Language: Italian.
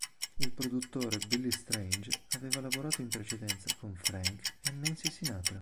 Il produttore Billy Strange, aveva lavorato in precedenza con Frank e Nancy Sinatra.